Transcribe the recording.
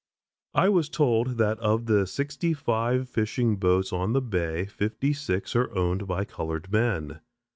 I was told that of the sixty five fishing boats on the Bay fifty six are owned by colored men.